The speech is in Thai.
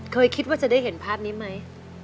คิดว่าจะได้เห็นภาพนี้ไหม